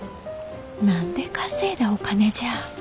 何で稼いだお金じゃ？